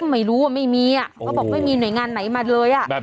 ไม่รู้ว่าไม่มีอะเขาบอกไม่มีหน่วยงานไหนมาเลยอะ